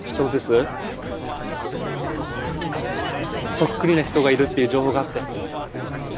そっくりな人がいるっていう情報があって。